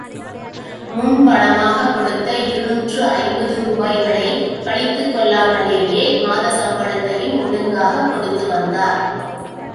முன் பணமாகக் கொடுத்த இருநூற்று ஐம்பது ரூபாய்களைக் கழித்துக் கொள்ளாமலேயே மாதச் சம்பளத்தையும் ஒழுங்காகக் கொடுத்து வந்தார்.